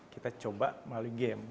kita coba melalui game